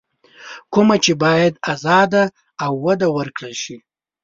کومه چې بايد ازاده او وده ورکړل شي.